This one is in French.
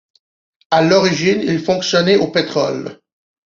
A l'origine il fonctionnait au pétrole.